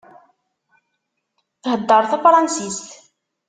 Thedder tafransist.